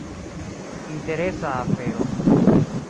Interesa afero.